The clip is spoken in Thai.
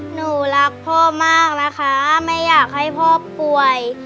หนูรักพ่อมากนะคะไม่อยากให้พ่อป่วย